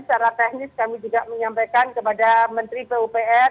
secara teknis kami juga menyampaikan kepada menteri pupr